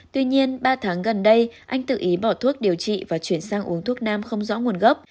tuy nhiên ba tháng gần đây anh tự ý bỏ thuốc điều trị và chuyển sang uống thuốc nam không rõ nguồn gốc